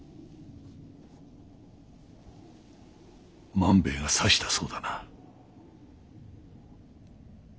・万兵衛が刺したそうだな？